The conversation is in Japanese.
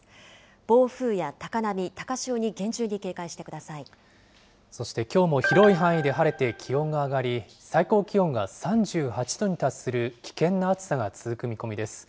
暴風や高波、高潮に厳重に警戒しそしてきょうも広い範囲で晴れて気温が上がり、最高気温が３８度に達する危険な暑さが続く見込みです。